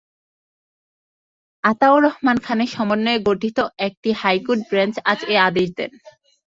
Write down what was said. আতাউর রহমান খানের সমন্বয়ে গঠিত একটি হাইকোর্ট বেঞ্চ আজ এ আদেশ দেন।